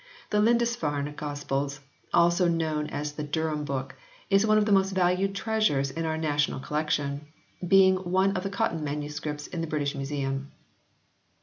The Lindisfarne Gospels, also known as the Durham Book, is one of the most valued treasures in our national collection, being one of the Cotton MSS. in the British Museum.